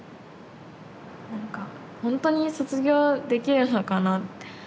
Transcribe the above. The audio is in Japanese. なんかほんとに卒業できるのかなって。